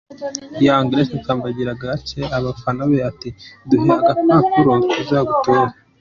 Young Grace atambagira Gare, abafana be bati: "Duhe agapapuro tuzagutora".